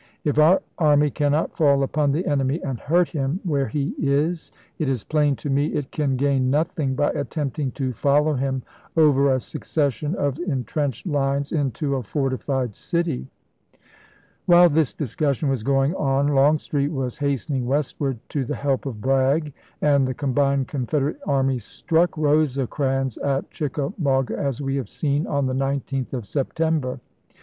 If our army cannot fall upon the enemy and hurt him where he is, it is plain to me it can gain nothing by attempting to follow him over a pp.%07, 268. succession of intrenched lines into a fortified cit5^" While this discussion was going on Longstreetwas hastening westward to the help of Bragg ; and the combined Confederate armies struck Rosecrans at Chickamauga, as we have seen, on the 19th of Sep 1863. tember.